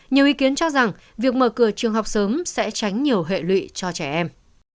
nhiều ý kiến cho rằng việc mở cửa trường học sớm sẽ tránh nhiều hệ lụy cho trẻ em